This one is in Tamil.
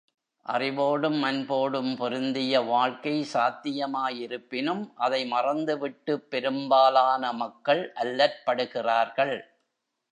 அறிவோடும் அன்போடும் பொருந்திய வாழ்க்கை சாத்தியமாயிருப்பினும், அதை மறந்து விட்டுப் பெரும்பாலான மக்கள் அல்லற்படுகிறார்கள்.